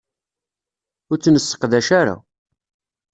Ur tt-nesseqdac ara.